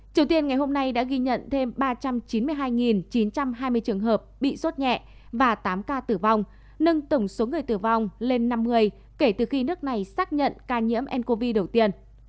triều tiên ngày hôm nay đã ghi nhận thêm ba trăm chín mươi hai chín trăm hai mươi trường hợp bị sốt nhẹ và tám ca tử vong nâng tổng số người tử vong lên năm người kể từ khi nước này xác nhận ca nhiễm ncov đầu tiên